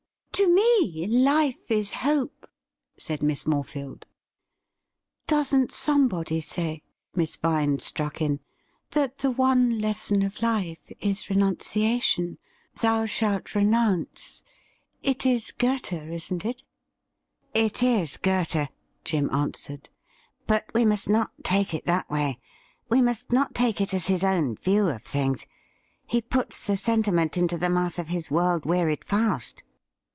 ' To me, life is hope,' said Miss Morefield. ' Doesn't somebody say,' Miss Vine struck in, ' that the one lesson of life is renunciation —" Thou shalt renounce" ? It is Goethe, isn't it .'''' It is Goethe,' Jim answered. ' But we must not take it that way — we must not take it as his own view of things. He puts the sentiment into the mouth of his world wearied Faust.'